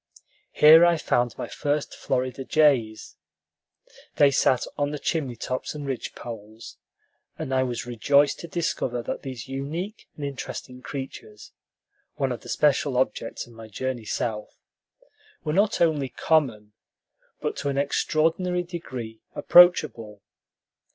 Here I found my first Florida jays. They sat on the chimney tops and ridgepoles, and I was rejoiced to discover that these unique and interesting creatures, one of the special objects of my journey South, were not only common, but to an extraordinary degree approachable.